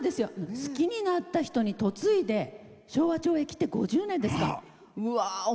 好きになった人にとついで昭和町へ来て５０年ですか。